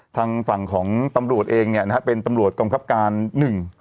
ทางฝั่งของตำรวจเองเนี่ยนะฮะเป็นตำรวจกองคับการหนึ่ง